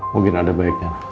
mungkin ada baiknya